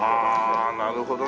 ああなるほどね。